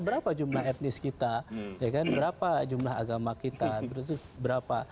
berapa jumlah etnis kita berapa jumlah agama kita berapa